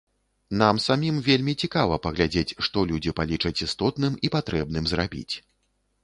Нам самім вельмі цікава паглядзець, што людзі палічаць істотным і патрэбным зрабіць.